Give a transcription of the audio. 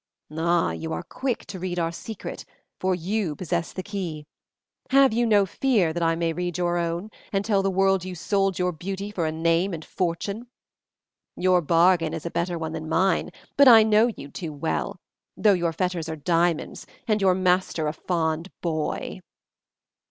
"Ah, you are quick to read our secret, for you possess the key. Have you no fear that I may read your own, and tell the world you sold your beauty for a name and fortune? Your bargain is a better one than mine, but I know you too well, though your fetters are diamonds and your master a fond boy."